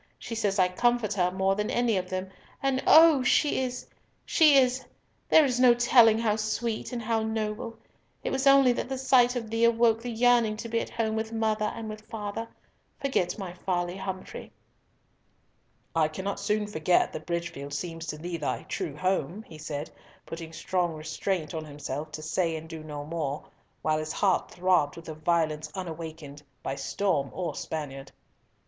She says I comfort her more than any of them, and oh! she is—she is, there is no telling how sweet and how noble. It was only that the sight of thee awoke the yearning to be at home with mother and with father. Forget my folly, Humfrey." "I cannot soon forget that Bridgefield seems to thee thy true home," he said, putting strong restraint on himself to say and do no more, while his heart throbbed with a violence unawakened by storm or Spaniard.